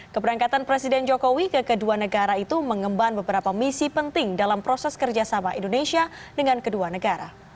keberangkatan presiden jokowi ke kedua negara itu mengemban beberapa misi penting dalam proses kerjasama indonesia dengan kedua negara